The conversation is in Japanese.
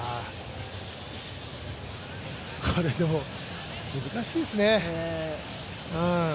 これ、難しいですね。